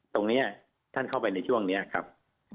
ตรงนี้ท่านเข้าไปในช่วงนี้ครับ